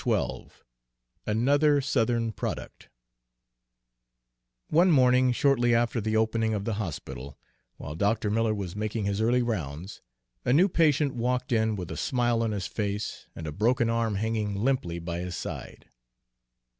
XII ANOTHER SOUTHERN PRODUCT One morning shortly after the opening of the hospital, while Dr. Miller was making his early rounds, a new patient walked in with a smile on his face and a broken arm hanging limply by his side.